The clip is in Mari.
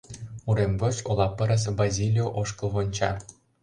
Урем гоч ола пырыс Базилио ошкыл вонча.